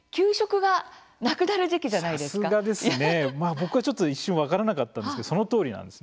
僕は、ちょっと一瞬分からなかったんですけどそのとおりなんです。